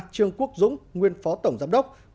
ba trương quốc dũng nguyên phó tổng giám đốc